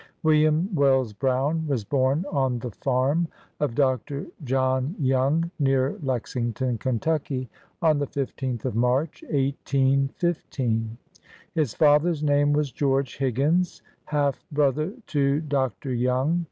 William Wells Brown was born on the farm of Dr. John Young, near Lexington, Kentucky, on the b BIOGRAPHY OF loth of March, 1815. His father's name was George Higgins, half brother to Dr. Young.